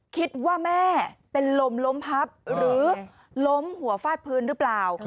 คิดว่าแม่เป็นลมล้มพับหรือล้มหัวฟาดพื้นหรือเปล่า